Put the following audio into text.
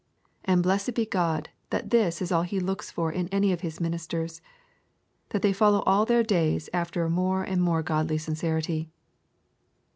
And blessed be God that this is all that He looks for in any of His ministers, that they follow all their days after a more and more godly sincerity.